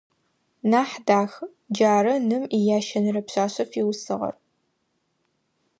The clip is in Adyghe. Нахьдах - джары ным иящэнэрэ пшъашъэ фиусыгъэр.